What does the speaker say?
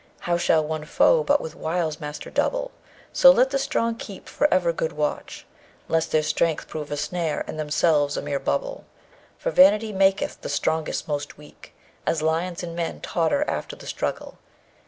How shall one foe but with wiles master double? So let the strong keep for ever good watch, Lest their strength prove a snare, and themselves a mere bubble; For vanity maketh the strongest most weak, As lions and men totter after the struggle.